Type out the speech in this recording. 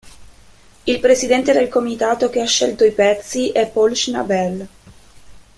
Il presidente del comitato che ha scelto i pezzi è Paul Schnabel.